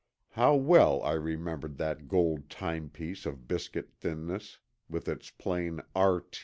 How well I remembered that gold time piece of biscuit thinness, with its plain R.